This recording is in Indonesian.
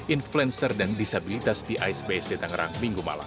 influencer dan disabilitas di aisb sd tangerang minggu malam